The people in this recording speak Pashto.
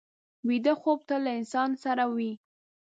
ویده خوب تل له انسان سره وي